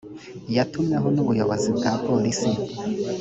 yatumweho n’ubuyobozi bwa polisi